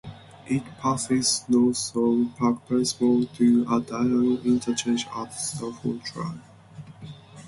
It passes north of Park Place Mall to a diamond interchange at Stafford Drive.